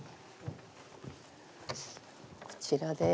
こちらです。